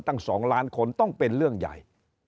ตั้ง๒ล้านคนต้องเป็นเรื่องใหญ่